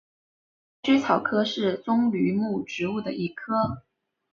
多须草科是棕榈目植物的一科。